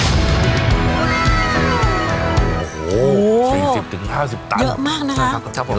๔๐๕๐ตันเยอะมากนะ